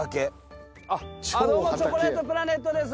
どうもチョコレートプラネットです。